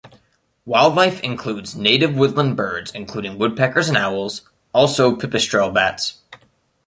Wildlife includes native woodland birds including woodpeckers and owls, also pipistrelle bats.